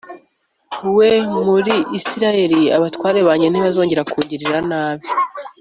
we muri isirayeli abatware banjye ntibazongera kugirira nabi